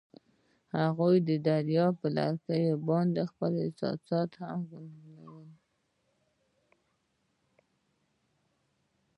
هغوی د دریا پر لرګي باندې خپل احساسات هم لیکل.